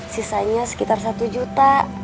sisanya sekitar satu juta